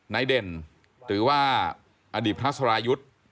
เด่นหรือว่าอดีตพระสรายุทธ์